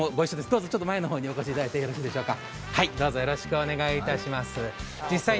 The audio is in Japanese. どうぞ前の方にお越しいただいてよろしいでしょうか？